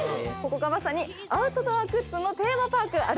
ここがまさにアウトドアグッズのテーマパーク。